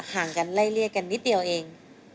ห่างกันไล่เลี่ยกันนิดเดียวเอง